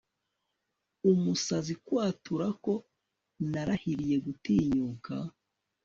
Umusazi kwatura ko narahiriye gutinyuka